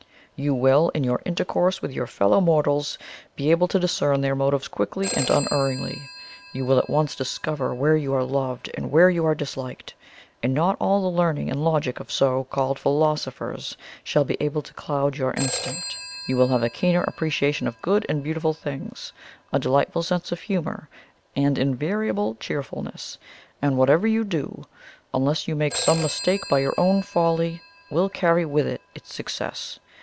You will, in your intercourse with your fellow mortals, be able to discern their motives quickly and unerringly you will at once discover where you are loved and where you are disliked; and not all the learning and logic of so called philosophers shall be able to cloud your instinct. You will have a keener appreciation of good and beautiful things a delightful sense of humour, and invariable cheerfulness; and whatever you do, unless you make some mistake by your own folly, will carry with it its success.